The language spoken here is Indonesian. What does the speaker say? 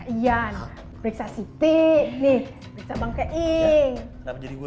iyan beriksa siti nih bangke ingguna jadi gua